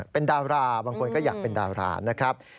เป็นดาราบางคนก็อยากเป็นดารานะครับ